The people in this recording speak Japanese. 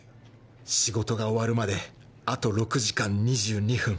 仕事が終わるまであと６時間２２分